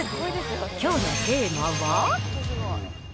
きょうのテーマは。